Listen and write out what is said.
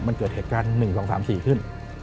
มันเกิดเหตุการณ์๑๒๓๔ขึ้น